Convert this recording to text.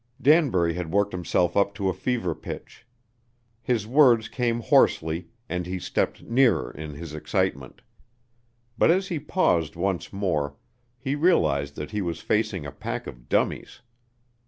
Danbury had worked himself up to a fever pitch. His words came hoarsely and he stepped nearer in his excitement. But as he paused once more, he realized that he was facing a pack of dummies.